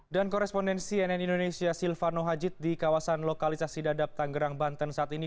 dan korespondensi nn indonesia silvano hajit di kawasan lokalisasi dadap tangerang banten saat ini